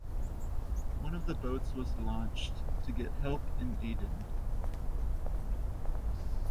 One of the boats was launched to get help in Aden.